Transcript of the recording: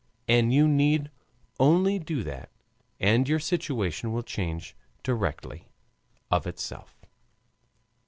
And you need only do that and your situation will change directly of itself.